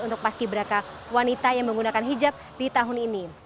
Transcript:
untuk paski beraka wanita yang menggunakan hijab di tahun ini